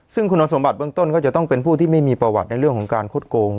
ซึ่งคุณสมบัติเบื้องต้นก็จะต้องเป็นผู้ที่ไม่มีประวัติในเรื่องของการคดโกง